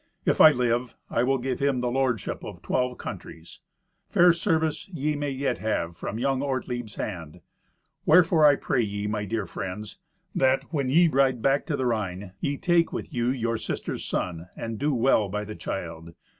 If I live, I will give him the lordship of twelve countries. Fair service ye may yet have from young Ortlieb's hand. Wherefore I pray ye, my dear friends, that, when ye ride back to the Rhine, ye take with you your sister's son, and do well by the child.